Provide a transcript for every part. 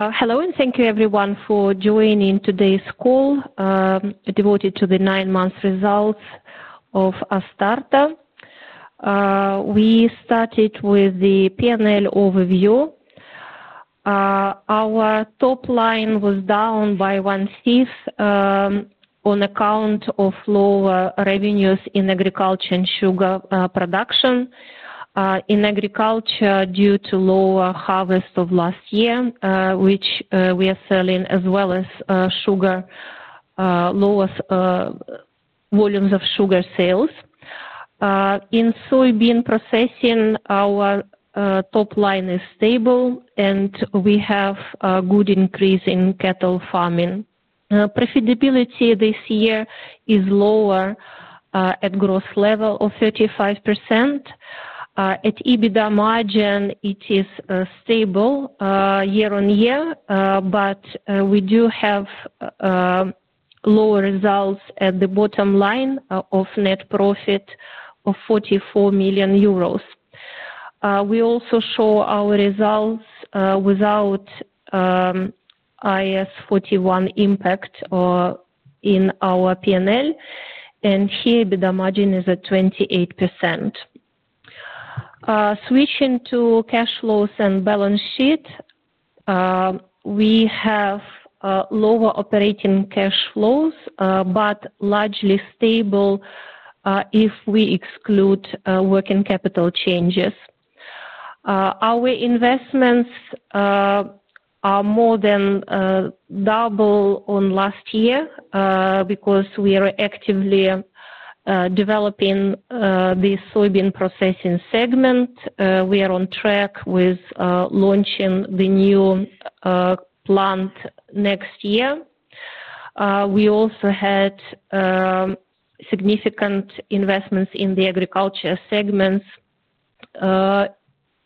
Hello, and thank you, everyone, for joining today's call devoted to the nine-month results of Astarta. We started with the P&L overview. Our top line was down by one fifth on account of lower revenues in agriculture and sugar production. In agriculture, due to lower harvest of last year, which we are selling, as well as volumes of sugar sales. In soybean processing, our top line is stable, and we have a good increase in cattle farming. Profitability this year is lower at gross level of 35%. At EBITDA margin, it is stable year on year, but we do have lower results at the bottom line of net profit of 44 million euros. We also show our results without IS41 impact in our P&L, and here EBITDA margin is at 28%. Switching to cash flows and balance sheet, we have lower operating cash flows but largely stable if we exclude working capital changes. Our investments are more than double on last year because we are actively developing the soybean processing segment. We are on track with launching the new plant next year. We also had significant investments in the agriculture segments,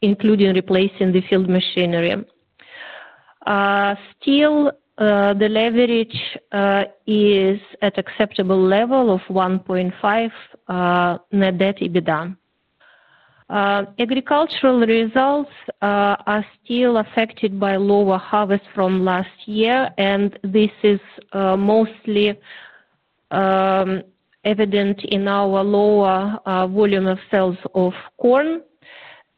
including replacing the field machinery. Still, the leverage is at acceptable level of 1.5 net debt EBITDA. Agricultural results are still affected by lower harvest from last year, and this is mostly evident in our lower volume of sales of corn.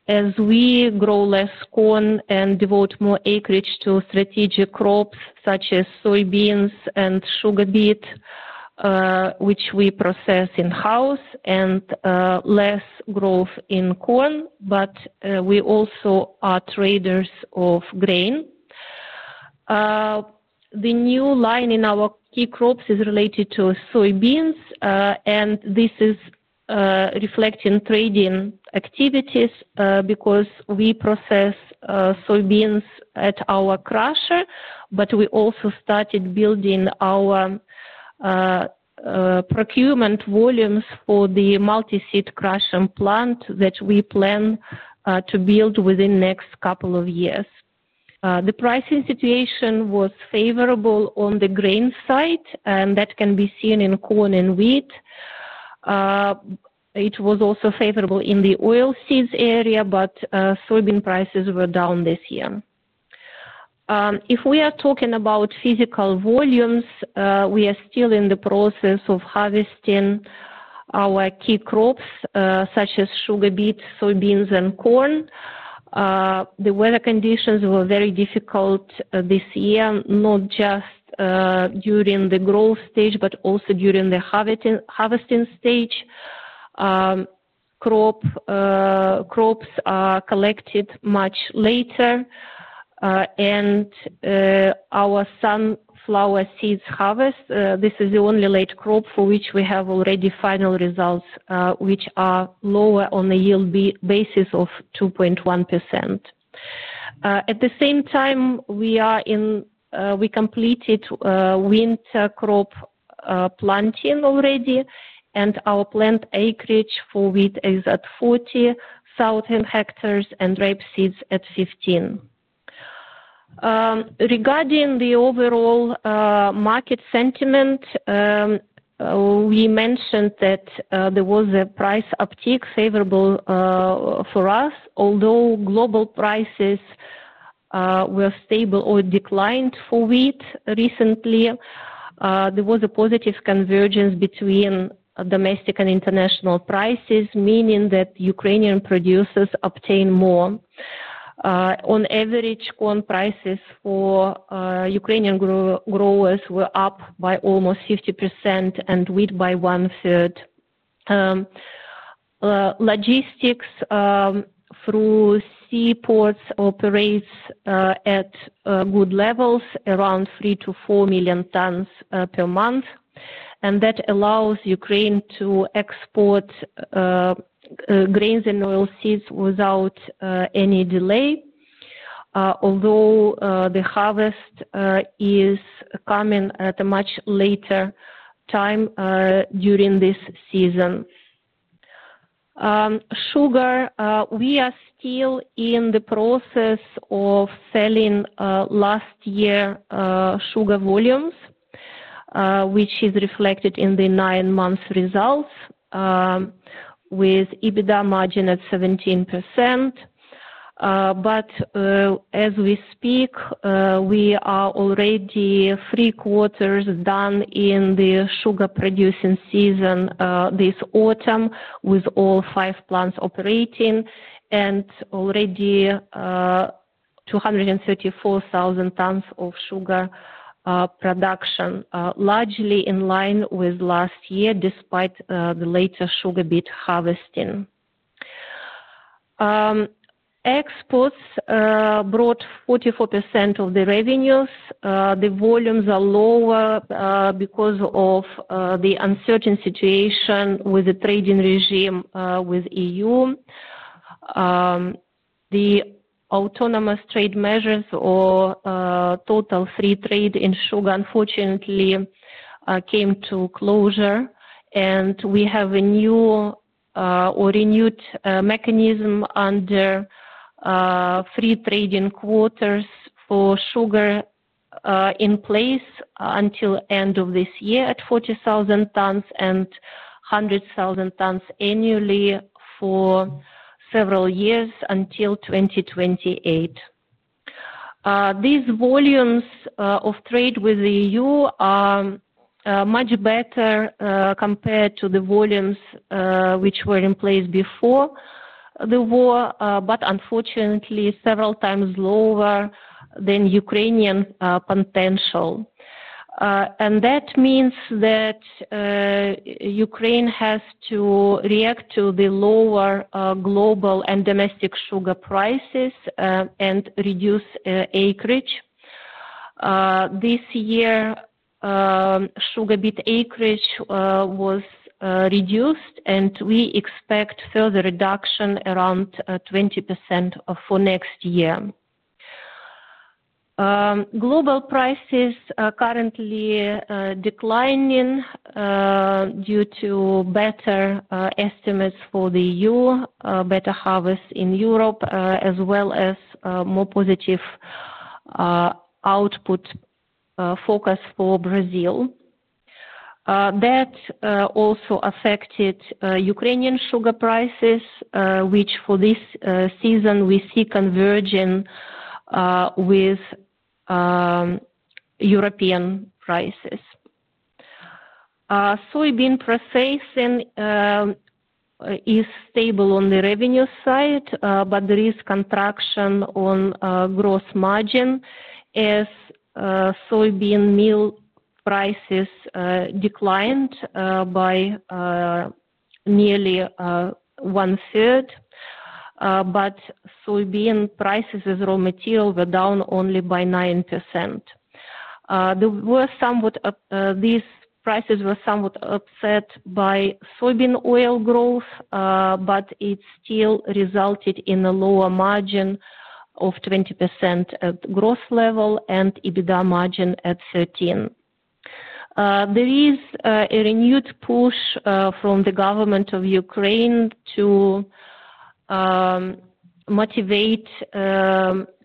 As we grow less corn and devote more acreage to strategic crops such as soybeans and sugar beet, which we process in-house, and less growth in corn, but we also are traders of grain. The new line in our key crops is related to soybeans, and this is reflecting trading activities because we process soybeans at our crusher, but we also started building our procurement volumes for the multi-seed crushing plant that we plan to build within the next couple of years. The pricing situation was favorable on the grain side, and that can be seen in corn and wheat. It was also favorable in the oilseeds area, but soybean prices were down this year. If we are talking about physical volumes, we are still in the process of harvesting our key crops such as sugar beet, soybeans, and corn. The weather conditions were very difficult this year, not just during the growth stage but also during the harvesting stage. Crops are collected much later, and our sunflower seeds harvest—this is the only late crop for which we have already final results, which are lower on a yield basis of 2.1%. At the same time, we completed winter crop planting already, and our plant acreage for wheat is at 40,000 hectares, and rapeseeds at 15,000 hectares. Regarding the overall market sentiment, we mentioned that there was a price uptick favorable for us, although global prices were stable or declined for wheat recently. There was a positive convergence between domestic and international prices, meaning that Ukrainian producers obtain more. On average, corn prices for Ukrainian growers were up by almost 50% and wheat by 1/3. Logistics through seaports operates at good levels, around three to four million tons per month, and that allows Ukraine to export grains and oilseeds without any delay, although the harvest is coming at a much later time during this season. Sugar, we are still in the process of selling last year's sugar volumes, which is reflected in the nine-month results with EBITDA margin at 17%. As we speak, we are already three quarters done in the sugar-producing season this autumn with all five plants operating and already 234,000 tons of sugar production, largely in line with last year despite the later sugar beet harvesting. Exports brought 44% of the revenues. The volumes are lower because of the uncertain situation with the trading regime with the E.U. The autonomous trade measures or total free trade in sugar, unfortunately, came to closure, and we have a new or renewed mechanism under free trading quotas for sugar in place until the end of this year at 40,000 tons and 100,000 tons annually for several years until 2028. These volumes of trade with the E.U. are much better compared to the volumes which were in place before the war, but unfortunately, several times lower than Ukrainian potential. That means that Ukraine has to react to the lower global and domestic sugar prices and reduce acreage. This year, sugar beet acreage was reduced, and we expect further reduction around 20% for next year. Global prices are currently declining due to better estimates for the E.U., better harvests in Europe, as well as more positive output focus for Brazil. That also affected Ukrainian sugar prices, which for this season we see converging with European prices. Soybean processing is stable on the revenue side, but there is contraction on gross margin as soybean meal prices declined by nearly one third, but soybean prices as raw material were down only by 9%. These prices were somewhat upset by soybean oil growth, but it still resulted in a lower margin of 20% at gross level and EBITDA margin at 13%. There is a renewed push from the government of Ukraine to motivate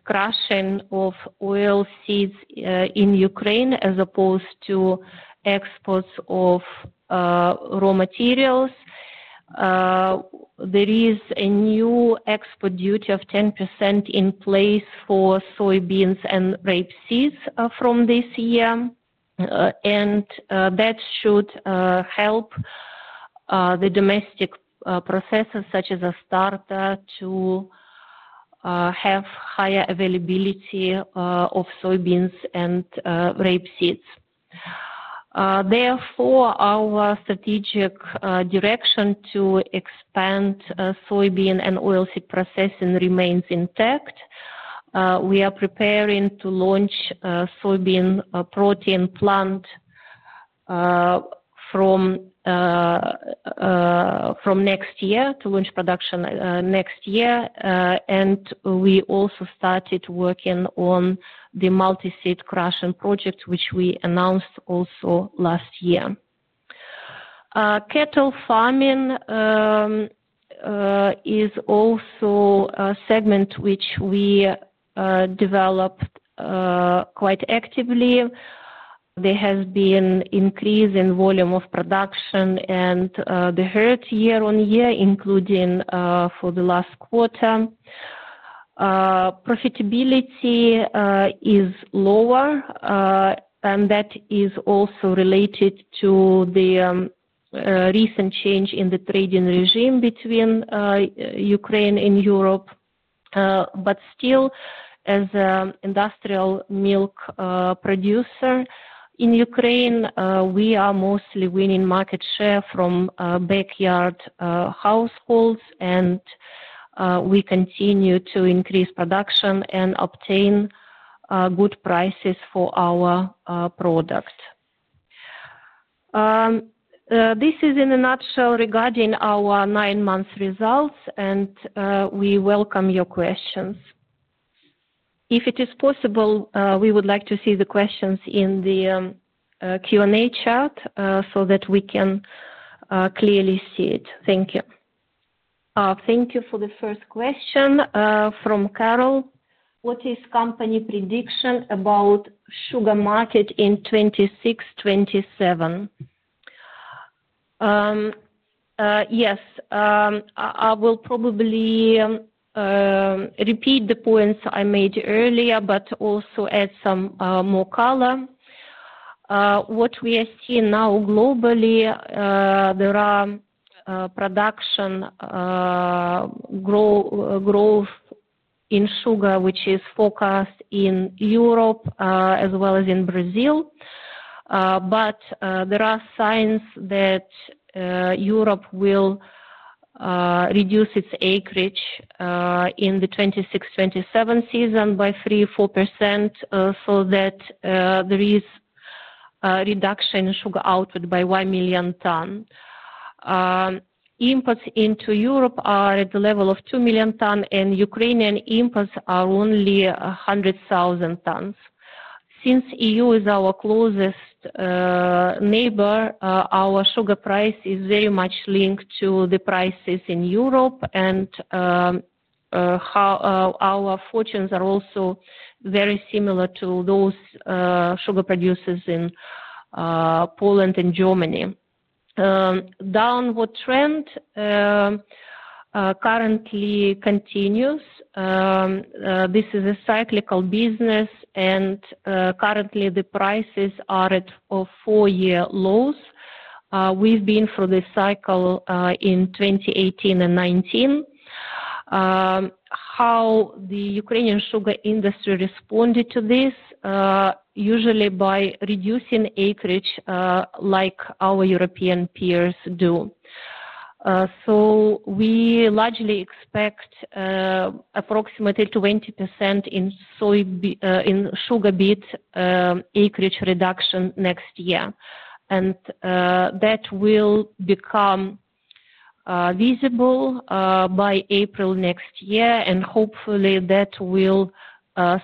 crushing of oilseeds in Ukraine as opposed to exports of raw materials. There is a new export duty of 10% in place for soybeans and rapeseeds from this year, and that should help the domestic processes such as Astarta to have higher availability of soybeans and rapeseeds. Therefore, our strategic direction to expand soybean and oilseed processing remains intact. We are preparing to launch a soybean protein plant from next year to launch production next year, and we also started working on the multi-seed crushing project, which we announced also last year. Cattle farming is also a segment which we developed quite actively. There has been an increase in volume of production and the herd year on year, including for the last quarter. Profitability is lower, and that is also related to the recent change in the trading regime between Ukraine and Europe. Still, as an industrial milk producer in Ukraine, we are mostly winning market share from backyard households, and we continue to increase production and obtain good prices for our products. This is, in a nutshell, regarding our nine-month results, and we welcome your questions. If it is possible, we would like to see the questions in the Q&A chat so that we can clearly see it. Thank you. Thank you for the first question from Carol. What is the company prediction about the sugar market in 2026-2027? Yes. I will probably repeat the points I made earlier but also add some more color. What we are seeing now globally, there is production growth in sugar, which is focused in Europe as well as in Brazil, but there are signs that Europe will reduce its acreage in the 2026-2027 season by 3%-4% so that there is a reduction in sugar output by 1 million ton. Imports into Europe are at the level of two million ton, and Ukrainian imports are only 100,000 tons. Since the E.U. is our closest neighbor, our sugar price is very much linked to the prices in Europe, and our fortunes are also very similar to those of sugar producers in Poland and Germany. The downward trend currently continues. This is a cyclical business, and currently, the prices are at four-year lows. We've been through this cycle in 2018 and 2019. How the Ukrainian sugar industry responded to this? Usually, by reducing acreage like our European peers do. We largely expect approximately 20% in sugar beet acreage reduction next year, and that will become visible by April next year, and hopefully, that will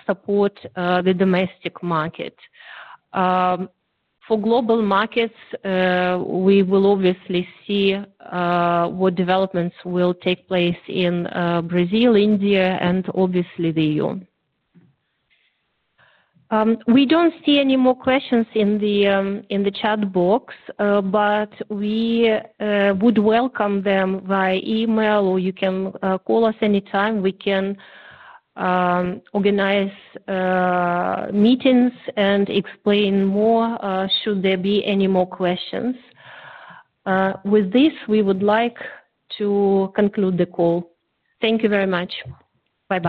support the domestic market. For global markets, we will obviously see what developments will take place in Brazil, India, and obviously, the E.U. We don't see any more questions in the chat box, but we would welcome them via email, or you can call us anytime. We can organize meetings and explain more should there be any more questions. With this, we would like to conclude the call. Thank you very much. Bye-bye.